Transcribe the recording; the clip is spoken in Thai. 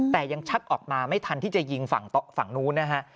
แต่ยังชักออกมาไม่ทันที่จะยิงฝั่งนู้นนะฮะ